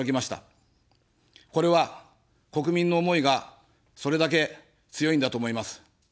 これは、国民の思いがそれだけ強いんだと思います。